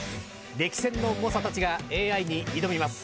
歴戦の猛者たちがＡＩに挑みます。